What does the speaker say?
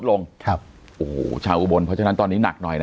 ลงครับโอ้โหชาวอุบลเพราะฉะนั้นตอนนี้หนักหน่อยนะ